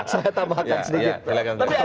saya tambahkan sedikit